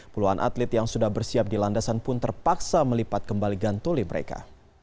puluhan atlet yang sudah bersiap di landasan pun terpaksa melipat kembali gantole mereka